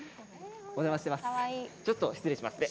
お邪魔しています。